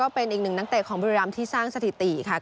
เป็นอีกหนึ่งนักเตะของบุรีรำที่สร้างสถิติค่ะ